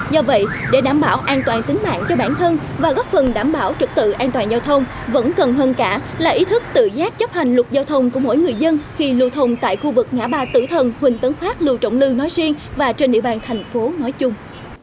do vậy để đảm bảo an toàn tính mạng cho bản thân và góp phần đảm bảo trực tự an toàn giao thông vẫn cần hơn cả là ý thức tự giác chấp hành luật giao thông của mỗi người dân khi lưu thông tại khu vực ngã ba tử thần huỳnh tấn phát lưu trọng lư nói riêng và trên địa bàn thành phố nói chung